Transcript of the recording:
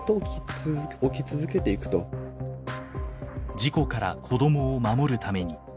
事故から子どもを守るために。